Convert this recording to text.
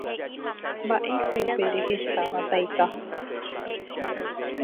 Mba'éiko upe rehecháva taita